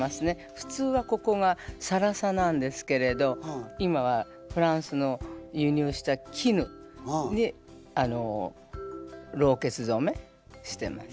ふつうはここがさらさなんですけれど今はフランスの輸入した絹にろうけつ染めしてます。